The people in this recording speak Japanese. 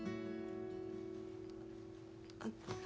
あっ。